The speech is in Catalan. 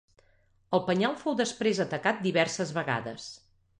El penyal fou després atacat diverses vegades.